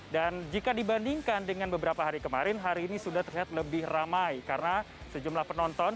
dan jika dibandingkan dengan beberapa hari kemarin hari ini sudah terlihat lebih ramai karena sejumlah penonton